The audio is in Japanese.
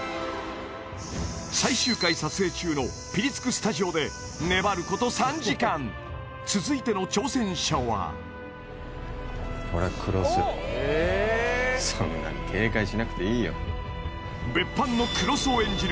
最終回撮影中のピリつくスタジオで粘ること３時間続いての挑戦者は俺は黒須そんなに警戒しなくていいよ別班の黒須を演じる